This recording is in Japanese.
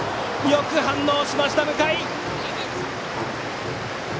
よく反応しました、向井！